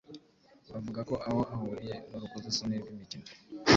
Bavuga ko aho ahuriye n'urukozasoni rw’imikino.